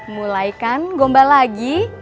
mulai kan gombal lagi